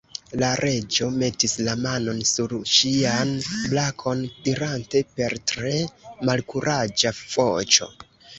La Reĝo metis la manon sur ŝian brakon, dirante per tre malkuraĝa voĉo.